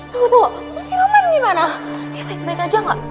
tunggu tunggu itu si roman gimana dia baik baik aja gak